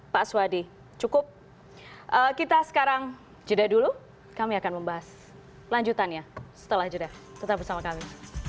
pak swadi cukup kita sekarang jeda dulu kami akan membahas lanjutannya setelah jeda tetap bersama kami